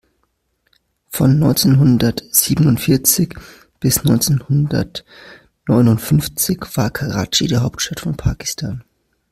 Von neunzehnhundertsiebenundvierzig bis neunzehnhundertneunundfünfzig war Karatschi die Hauptstadt von Pakistan.